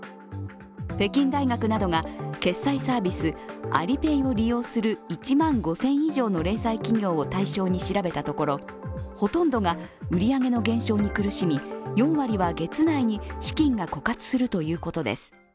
北京大学などが決済サービス、アリペイを利用する１万５０００以上の企業を調べたところほとんどが売り上げの減少に苦しみ４割は月内に資金が枯渇するということです。